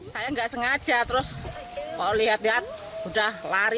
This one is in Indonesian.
saya nggak sengaja terus kalau lihat lihat udah lari